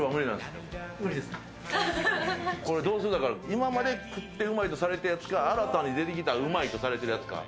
今まで食ってうまいされたやつか、新たに出てきたうまいとされてるやつか。